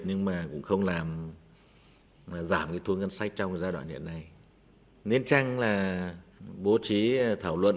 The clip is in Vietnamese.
nhưng mà cũng không làm